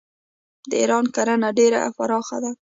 د ایران کرنه ډیره پراخه ده.